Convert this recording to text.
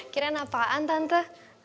kirain apaan tante